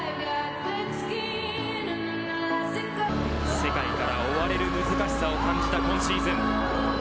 世界から追われる難しさを感じた今シーズン。